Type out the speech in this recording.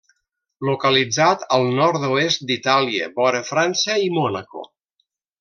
Localitzat al nord-oest d’Itàlia, vora França i Mònaco.